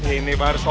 ini baru soib